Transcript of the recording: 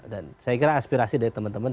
dan saya kira aspirasi dari teman teman